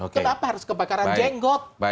kenapa harus kebakaran jenggot